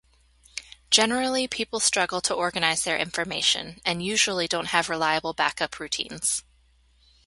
Generally people struggle to organize their information, and usually don't have reliable backup routines.